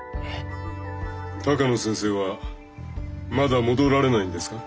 鷹野先生はまだ戻られないんですか？